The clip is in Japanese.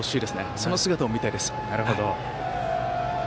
その姿が見たいです。